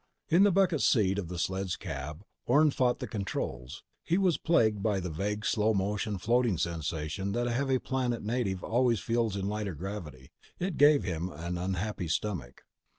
In the bucket seat of the sled's cab, Orne fought the controls. He was plagued by the vague slow motion floating sensation that a heavy planet native always feels in lighter gravity. It gave him an unhappy stomach.